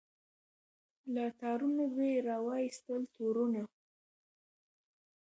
له تارونو دي را وایستل تورونه